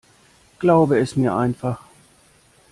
Glaube es mir einfach.